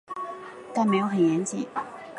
但没有很严谨